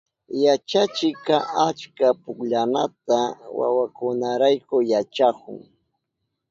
Yachachikka achka pukllanata wawakunarayku yachahun.